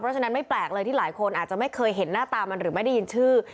เพราะฉะนั้นไม่แปลกเลยที่หลายคนอาจจะไม่เคยเห็นหน้าตามันหรือไม่ได้ยินชื่อ